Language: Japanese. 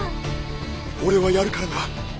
俺はやるからな。